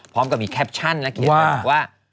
พร้อมกับอีกแคปชั่นแล้วเขียนแบบว่า